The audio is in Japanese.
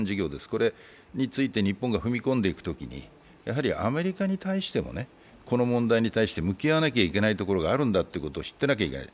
これについて日本が踏み込んでいくときにアメリカに対してもこの問題に対して向き合わなきゃいけないところがあると知っておかなければいけない。